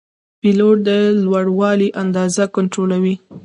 پیلوټ د لوړوالي اندازه کنټرولوي.